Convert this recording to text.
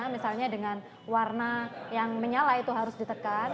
misalnya dengan warna yang menyala itu harus ditekan